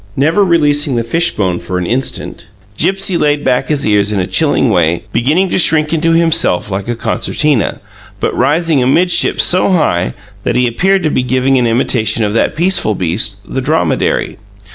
Never releasing the fishbone for an instant, Gipsy laid back his ears in a chilling way, beginning to shrink into himself like a concertina, but rising amidships so high that he appeared to be giving an imitation of that peaceful beast, the dromedary.